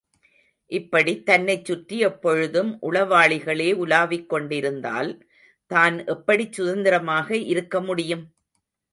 இப்படித் தன்னைச் சுற்றி எப்பொழுதும் உளவாளிகளே உலாவிக் கொண்டிருந்தால், தான் எப்படிச் சுதந்திரமாக இருக்க முடியும்?